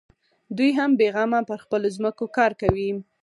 دوى هم بېغمه پر خپلو ځمکو کار کوي.